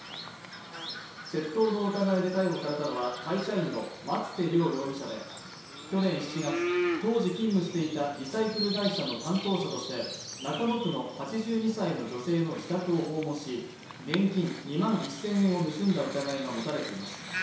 窃盗の疑いで逮捕されたのは会社員の松瀬亮容疑者で去年７月、当時勤務していたリサイクル会社の担当者として中野区の８２歳の女性の自宅を訪問し現金２万１０００円を盗んだ疑いが持たれています